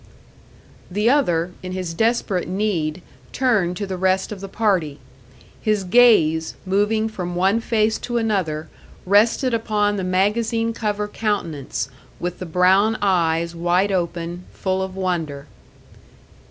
The other, in his desperate need, turned to the rest of the party. His gaze, moving from one face to another, rested upon the magazine cover countenance, with the brown eyes wide open, full of wonder.